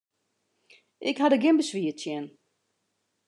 Ik ha der gjin beswier tsjin.